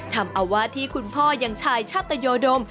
ทำเอาว่าที่คุณพ่อยังชายชาตยดม